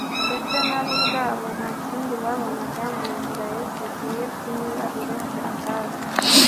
ndetse na bo ubwabo nta kindi babonaga mu nzira Yesu agiye kunyura uretse akaga.